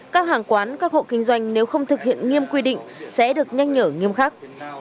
các hàng quán các hộ kinh doanh nếu không thực hiện nghiêm quy định sẽ được nhanh nhở nghiêm khắc